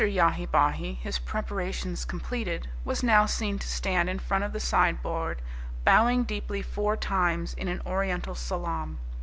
Yahi Bahi, his preparations completed, was now seen to stand in front of the sideboard bowing deeply four times in an Oriental salaam.